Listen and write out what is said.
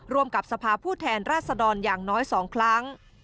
ร่วมกับสภาพผู้แทนราชดรอย่างน้อย๒ครั้ง